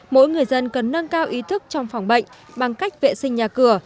mỗi người dân cần nâng cao ý thức trong phòng bệnh bằng cách vệ sinh nhà cửa